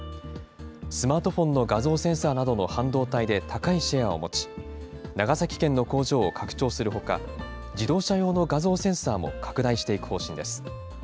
スマートフォンの画像センサーなどの半導体で高いシェアを持ち、長崎県の工場を拡張するほか、自動車用の画像センサーも拡大していく方針です。